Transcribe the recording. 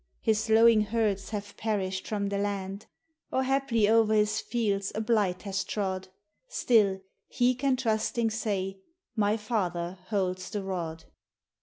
His lowing herds have perished from the land, Or haply o'er his fields a blight has trod; Still, he can trusting say, "My Father holds the rod."